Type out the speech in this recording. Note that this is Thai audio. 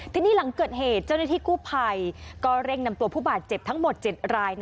ทีนี้หลังเกิดเหตุเจ้าหน้าที่กู้ภัยก็เร่งนำตัวผู้บาดเจ็บทั้งหมด๗ราย